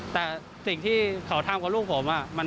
แต่สิ่งที่เขาทำกับลูกผมมันก็ไม่ถูกต้อง